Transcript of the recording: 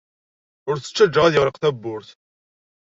Ur t-ttajja ad yeɣleq tawwurt.